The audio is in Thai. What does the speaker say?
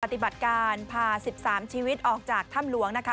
ปฏิบัติการพา๑๓ชีวิตออกจากถ้ำหลวงนะคะ